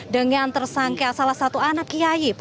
dengan tersangka salah satu anak kiai